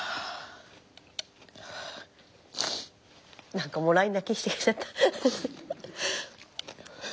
何かもらい泣きしてきちゃった。